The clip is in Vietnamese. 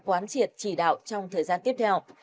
quán triệt chỉ đạo trong thời gian tiếp theo